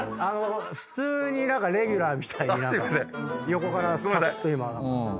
普通にレギュラーみたいに横からさくっと今何か。